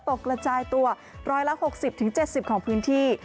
กระจายตัว๑๖๐๗๐ของพื้นที่